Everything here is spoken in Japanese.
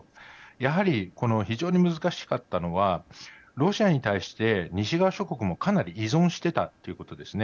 やはり、この非常に難しかったのはロシアに対して西側諸国もかなり依存していたということですね。